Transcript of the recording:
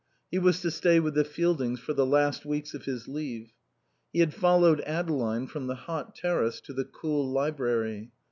He was to stay with the Fieldings for the last weeks of his leave. He had followed Adeline from the hot terrace to the cool library.